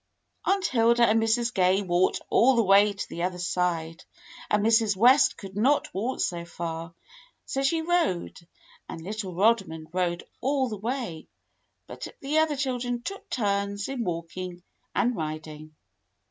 Aunt Hilda and Mrs. Gay walked all the way to the other side, but Mrs. West could not walk so far, so she rode, and little Rodman rode all the way, but the other children took turns in walking and riding.